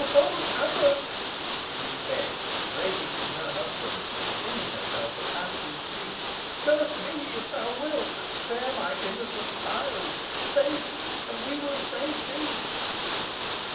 holy abbot," shrieked Bess, breaking from her husband, and flinging herself at Paslew's feet, "curse me, if thou wilt, but spare my innocent child. Save it, and we will save thee."